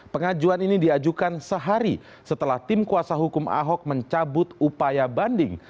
pengajuan ini diajukan sehari setelah tim kuasa hukum ahok mencabut upaya banding